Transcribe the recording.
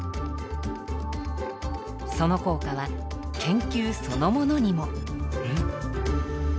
その効果は研究そのものにも。